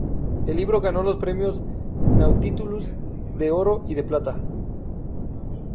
El libro ganó los premios Nautilus de Oro y de Plata.